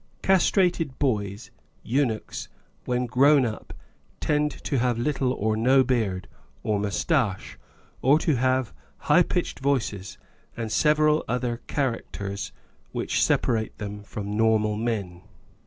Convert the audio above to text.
Castrated boys (eunuchs) when grown up, tend to have little or no beard, or moustache, to have high pitched voices and several other characters which separate them from normal men.